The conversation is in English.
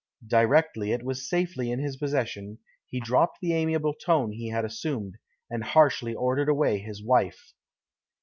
Directly it was safely in his possession he dropped the amiable tone he had assumed, and harshly ordered away his wife.